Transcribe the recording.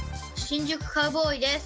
新宿カウボーイです。